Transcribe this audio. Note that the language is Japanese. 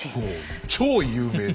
超有名な！